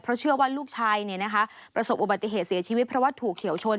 เพราะเชื่อว่าลูกชายประสบอุบัติเหตุเสียชีวิตเพราะว่าถูกเฉียวชน